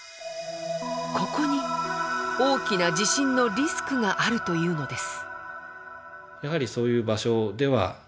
ここに大きな地震のリスクがあるというのです。